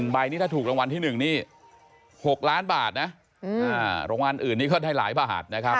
ใบนี้ถ้าถูกรางวัลที่๑นี่๖ล้านบาทนะรางวัลอื่นนี้ก็ได้หลายบาทนะครับ